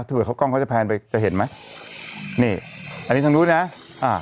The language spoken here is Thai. เผื่อเขากล้องเขาจะแพนไปจะเห็นไหมนี่อันนี้ทางนู้นนะอ่า